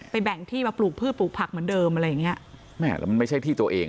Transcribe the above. แบ่งที่มาปลูกพืชปลูกผักเหมือนเดิมอะไรอย่างเงี้ยแม่แล้วมันไม่ใช่ที่ตัวเอง